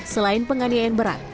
selain penganiayaan berat